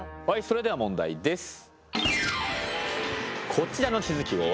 それでは問題です。